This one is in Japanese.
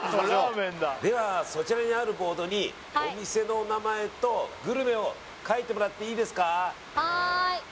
ではそちらにあるボードにお店のお名前とグルメを書いてもらっていいですか？